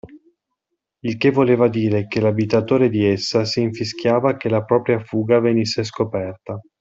Il che voleva dire che l'abitatore di essa si infischiava che la propria fuga venisse scoperta